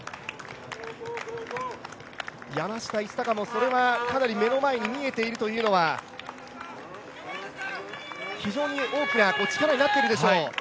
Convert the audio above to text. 山下一貴もそれはかなり目の前に見えているというのは、非常に大きな力になっているでしょう。